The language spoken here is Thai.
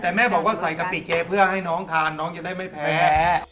แต่แม่บอกว่าใส่กะปิเกเพื่อให้น้องทานน้องจะได้ไม่แพ้